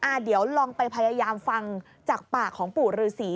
เดี๋ยวลองไปพยายามฟังจากปากของปู่ฤษี